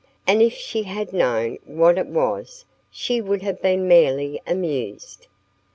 And if she had known what it was she would have been merely amused.